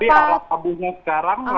tapi arah abunya sekarang lagi